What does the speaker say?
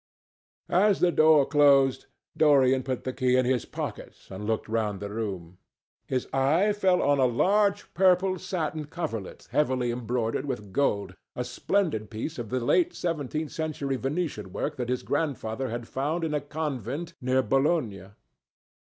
As the door closed, Dorian put the key in his pocket and looked round the room. His eye fell on a large, purple satin coverlet heavily embroidered with gold, a splendid piece of late seventeenth century Venetian work that his grandfather had found in a convent near Bologna.